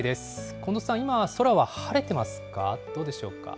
近藤さん、今、空は晴れてますか、どうでしょうか。